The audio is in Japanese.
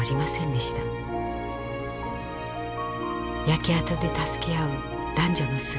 焼け跡で助け合う男女の姿。